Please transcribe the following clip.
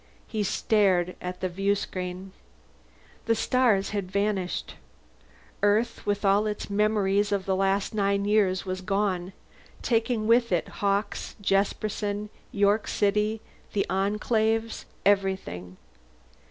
He stared at the viewscreen. The stars had vanished. Earth, with all its memories of the last nine years, was gone, taking with it Hawkes, Jesperson, York City, the Enclaves everything.